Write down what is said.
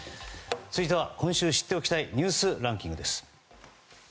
続いては今週知っておきたいニュースランキングです。